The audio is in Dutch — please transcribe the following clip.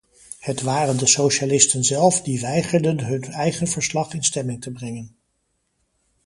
Het waren de socialisten zelf die weigerden hun eigen verslag in stemming te brengen.